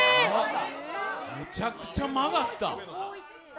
むちゃくちゃ曲がった。